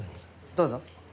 どうぞ。